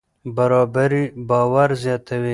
برابري باور زیاتوي.